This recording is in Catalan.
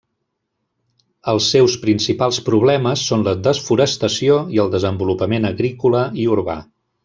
Els seus principals problemes són la desforestació i el desenvolupament agrícola i urbà.